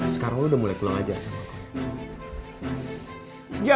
sekarang lu udah mulai kulang ajar sama aku